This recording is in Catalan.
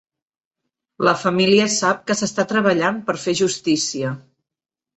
La família sap que s'està treballant per fer justícia.